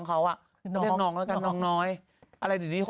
ไม่สลบ